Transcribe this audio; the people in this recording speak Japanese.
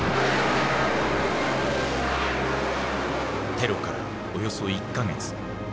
テロからおよそ１か月。